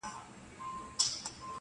غازي دغه یې وخت دی د غزا په کرنتین کي!!